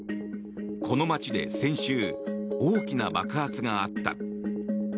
この街で先週大きな爆発があった。